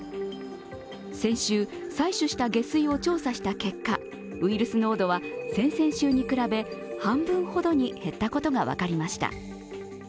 先週、採取した下水を調査した結果ウイルス濃度は先々週に比べ半分ほどに減ったことが分かりました。